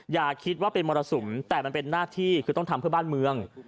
อย่าคิดว่าเป็นมรสุมแต่มันเป็นหน้าที่คือต้องทำเพื่อบ้านเมือง